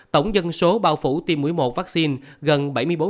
tổng dân số bao phủ tiêm mũi một vaccine gần bảy mươi bốn